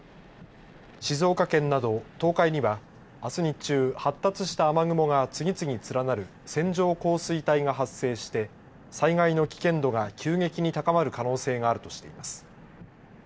静岡県など東海にはあす日中発達した雨雲が次々連なる線状降水帯が発生して災害の危険度が急激に高まる可能性があるとしています。